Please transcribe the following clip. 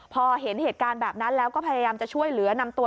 พอเห็นเหตุการณ์แบบนั้นแล้วก็พยายามจะช่วยเหลือนำตัว